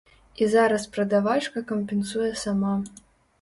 І зараз прадавачка кампенсуе сама.